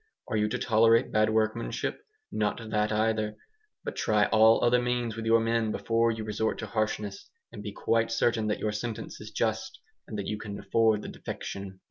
Are you to tolerate bad workmanship? Not that either. But try all other means with your men before you resort to harshness; and be quite certain that your sentence is just, and that you can afford the defection.